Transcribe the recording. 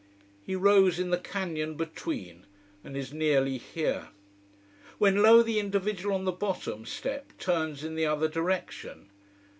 He rows in the canyon between, and is nearly here. When lo, the individual on the bottom step turns in the other direction.